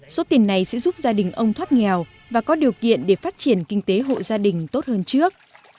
số tiền này sẽ giúp gia đình ông thoát nghèo và có điều kiện để phát triển kinh tế hộ gia đình tốt hơn trước